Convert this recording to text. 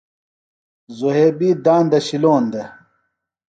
ذُھیبی داندہ شِلون دےۡ۔